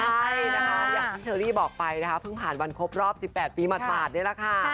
ใช่นะคะอย่างที่เชอรี่บอกไปนะคะเพิ่งผ่านวันครบรอบ๑๘ปีหมาดนี่แหละค่ะ